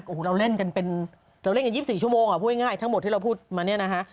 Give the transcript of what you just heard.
โอ้โหเราเล่นกัน๒๔ชั่วโมงพูดง่ายทั้งหมดที่เราพูดมาเนี่ยนะฮะ